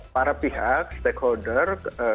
para pihak stakeholder